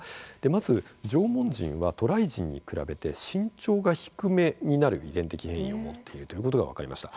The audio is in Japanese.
まず縄文人は渡来人に比べて身長が低めになる遺伝的変異を持っているということが分かりました。